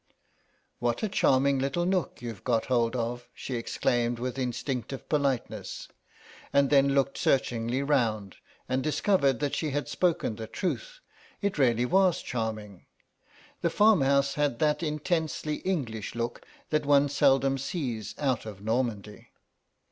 "What a charming little nook you've got hold of," she exclaimed with instinctive politeness, and then looked searchingly round, and discovered that she had spoken the truth; it really was charming. The farmhouse had that intensely English look that one seldom sees out of Normandy.